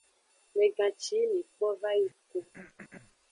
Megan ci yi mi kpo vayi ku.